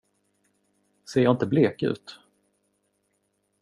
Ser jag inte blek ut?